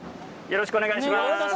よろしくお願いします。